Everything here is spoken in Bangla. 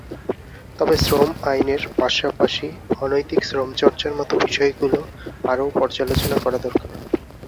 তবে শ্রম আইনের পাশাপাশি অনৈতিক শ্রমচর্চার মতো বিষয়গুলো আরও পর্যালোচনা করা দরকার।